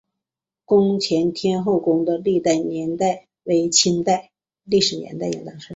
宫前天后宫的历史年代为清代。